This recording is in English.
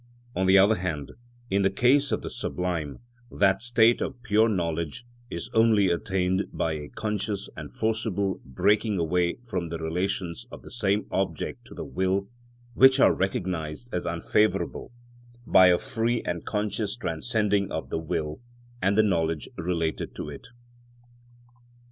On the other hand, in the case of the sublime that state of pure knowledge is only attained by a conscious and forcible breaking away from the relations of the same object to the will, which are recognised as unfavourable, by a free and conscious transcending of the will and the knowledge related to it.